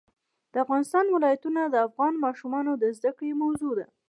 د افغانستان ولايتونه د افغان ماشومانو د زده کړې موضوع ده.